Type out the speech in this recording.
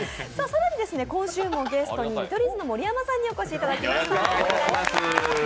更に今週もゲストに見取り図の盛山さんにお越しいただいています。